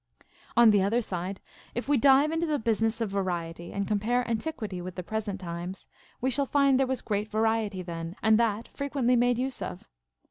On the other side, if we dive into the business of variety and compare antiquity with the present times, we shall find there was great variety then, and that frequently made use of.